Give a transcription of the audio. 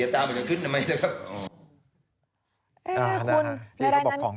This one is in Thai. เสียตาไปจะขึ้นทำไมนะครับ